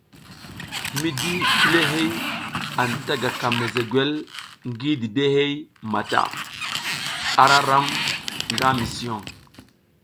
Mi di kulihey anta gaka mesegwel ngi didehey mata, ara ram nga mison.